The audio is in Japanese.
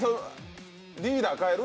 リーダー変える？